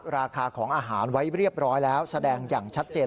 ราคาของอาหารไว้เรียบร้อยแล้วแสดงอย่างชัดเจน